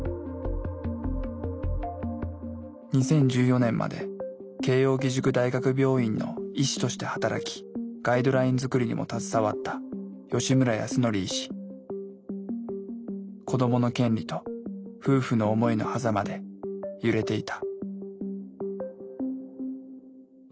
２０１４年まで慶應義塾大学病院の医師として働きガイドライン作りにも携わった子どもの権利と夫婦の思いのはざまで揺れていた。